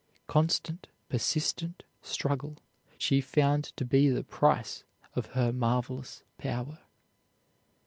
Constant, persistent struggle she found to be the price of her marvelous power.